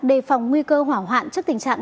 đề phòng nguy cơ hỏa hoạn trước tình trạng